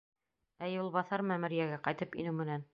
Ә юлбаҫар мәмерйәгә ҡайтып инеү менән: